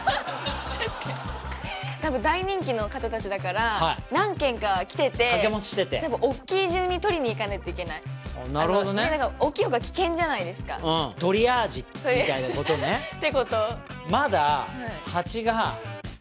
確かに多分大人気の方達だから何件か来てておっきい順に取りに行かないといけないなるほどねで何かトリアージみたいなことねってことあ！